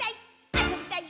あそびたい！」